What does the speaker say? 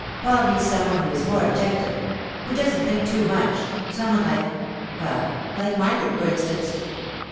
Paul needs some one who is more objective—who doesn't think too much—some one like—well, like Margaret, for instance.